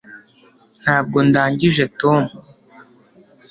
ntabwo ndangije tom